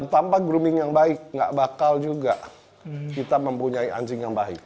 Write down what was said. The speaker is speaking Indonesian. tanpa grooming yang baik nggak bakal juga kita mempunyai anjing yang baik